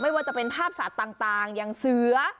ว่าจะเป็นภาพสัตว์ต่างอย่างเสือ